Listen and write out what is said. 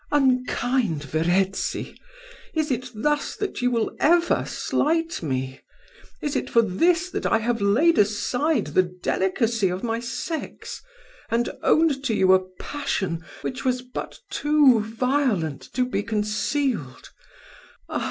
"Unkind Verezzi! is it thus that you will ever slight me? is it for this that I have laid aside the delicacy of my sex, and owned to you a passion which was but too violent to be concealed?